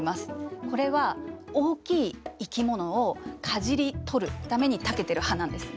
これは大きい生き物をかじり取るためにたけてる歯なんですね。